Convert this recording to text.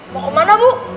mau kemana bu